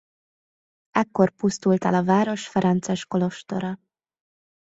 Ekkor pusztult el a város ferences kolostora.